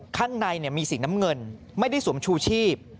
ข้างในมีสีน้ำเงินไม่ได้สวมชูชีพ